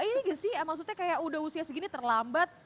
eh ada lagi sih maksudnya kayak udah usia segini terlambat